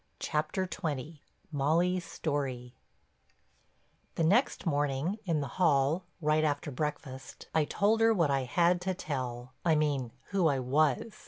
CHAPTER XX—MOLLY'S STORY The next morning, in the hall, right after breakfast I told her what I had to tell—I mean who I was.